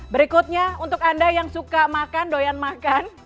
berikutnya untuk anda yang suka makan doyan makan